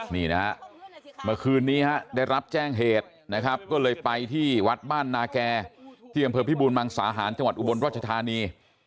นี่นะฮะเมื่อคืนนี้ฮะได้รับแจ้งเหตุนะครับก็เลยไปที่วัดบ้านนาแก่ที่อำเภอพิบูรมังสาหารจังหวัดอุบลรัชธานี